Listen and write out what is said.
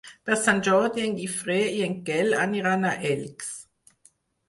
Per Sant Jordi en Guifré i en Quel aniran a Elx.